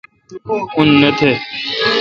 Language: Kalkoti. ان نہ تھ۔